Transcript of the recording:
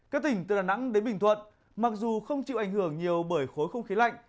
các tỉnh từ đà nẵng đến bình thuận mặc dù không chịu ảnh hưởng nhiều bởi khối không khí lạnh